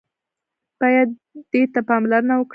بايد دې ته پاملرنه وکړي.